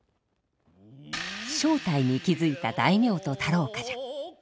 正体に気付いた大名と太郎冠者。